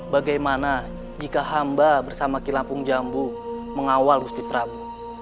bagaimana jika hamba bersama kilampung jambu mengawal gusti prabu